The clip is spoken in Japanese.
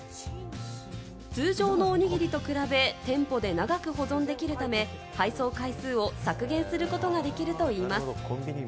通常のおにぎりと比べ、店舗で長く保存できるため、配送回数を削減できるということです。